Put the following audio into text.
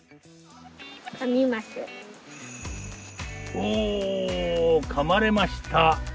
おお噛まれました。